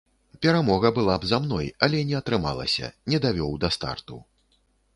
Перамога была б за мной, але не атрымалася, не давёў да старту.